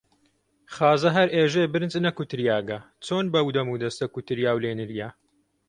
خازە هەر ئێژێ برنج نەکوتریاگە، چۆن بەو دەمودەستە کوتریا و لێ نریا؟